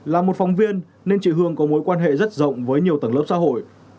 là một phóng viên nên chị hương có mối quan hệ rất rộng với nhiều tầng lớp xã hội